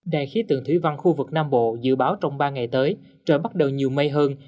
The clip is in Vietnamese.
đài khí tượng thủy văn khu vực nam bộ dự báo trong ba ngày tới trời bắt đầu nhiều mây hơn